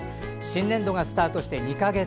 新年度がスタートして２か月。